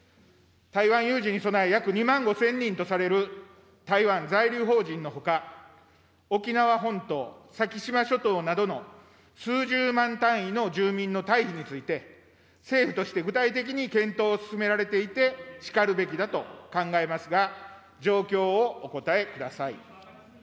台湾有事に備え約２万５０００人とされる台湾在留邦人のほか、沖縄本島、先島諸島などの数十万単位の住民の待避について、政府として具体的に検討を進められていてしかるべきだと考えますが、状況をお答えください。